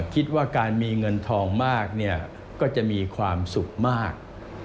คิดว่าการมีเงินทองมากเนี่ยก็จะมีความสุขมาก